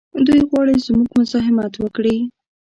دوی غواړي زموږ مزاحمت وکړي.